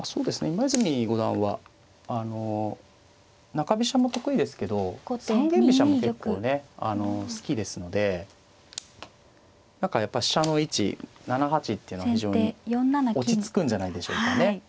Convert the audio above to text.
今泉五段は中飛車も得意ですけど三間飛車も結構ねあの好きですので何かやっぱ飛車の位置７八っていうのは非常に落ち着くんじゃないでしょうかね。